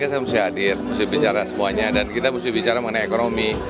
saya mesti hadir mesti bicara semuanya dan kita mesti bicara mengenai ekonomi